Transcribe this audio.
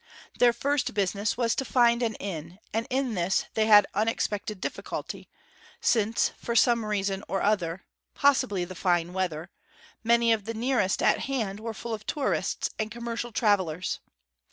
Their first business was to find an inn; and in this they had unexpected difficulty, since for some reason or other possibly the fine weather many of the nearest at hand were full of tourists and commercial travellers.